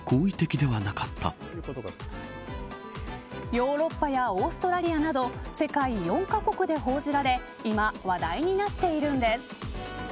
ヨーロッパやオーストラリアなど世界４カ国で報じられ今話題になっているんです。